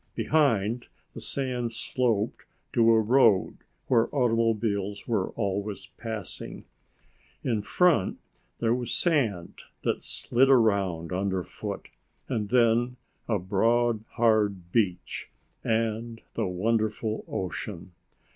Behind, the sand sloped to a road where automobiles were always passing. In front there was sand that slid around under foot, and then a broad hard beach and the wonderful ocean.